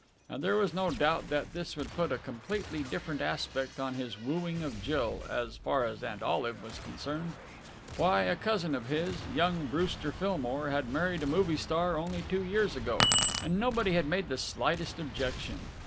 And there was no doubt that this would put a completely different aspect on his wooing of Jill, as far as Aunt Olive was concerned. Why, a cousin of his young Brewster Philmore had married a movie star only two years ago, and nobody had made the slightest objection.